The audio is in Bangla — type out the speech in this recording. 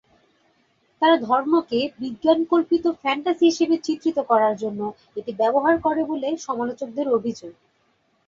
তারা ধর্মকে বিজ্ঞান-কল্পিত ফ্যান্টাসি হিসাবে চিত্রিত করার জন্য এটি ব্যবহার করে বলে সমালোচকদের অভিযোগ।